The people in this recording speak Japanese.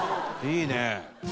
いいね。